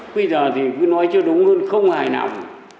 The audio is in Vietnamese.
bây giờ thì cứ nói cho đúng hơn không hài lòng